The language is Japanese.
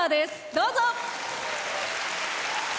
どうぞ。